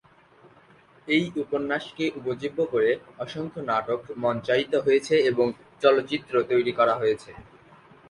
এই উপন্যাসকে উপজীব্য করে অসংখ্য নাটক মঞ্চায়িত হয়েছে এবং চলচ্চিত্র তৈরি করা হয়েছে।